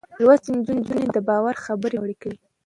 لوستې نجونې د باور خبرې پياوړې کوي.